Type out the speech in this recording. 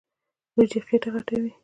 وريجې خيټه غټوي.